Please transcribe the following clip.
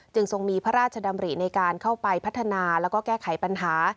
ทรงมีพระราชดำริในการเข้าไปพัฒนาแล้วก็แก้ไขปัญหา